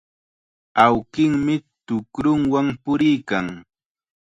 Awkinmi tukrunwan puriykan.